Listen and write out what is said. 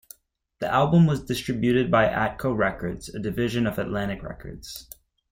The album was distributed by Atco Records, a division of Atlantic Records.